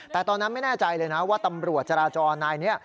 แต่ตอนนั้นไม่แน่ใจเลยนะว่าตำรวจจราจรนายนี้